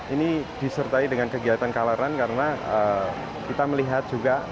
ini disertai dengan kegiatan kalaran karena kita melihat